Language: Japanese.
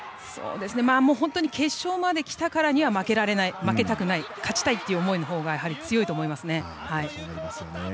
本当に決勝まできたからには負けられない負けたくない、勝ちたいという思いのほうが強いと思いますね。